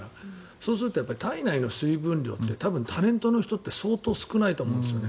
そうすると体内の水分量って多分タレントの人って相当少ないと思うんですよね。